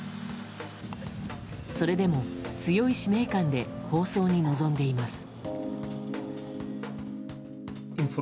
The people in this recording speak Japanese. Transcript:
それでも強い使命感で放送に臨んでいます。